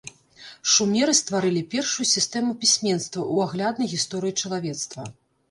Шумеры стварылі першую сістэму пісьменства ў агляднай гісторыі чалавецтва.